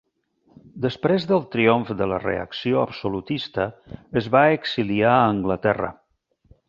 Després del triomf de la reacció absolutista, es va exiliar a Anglaterra.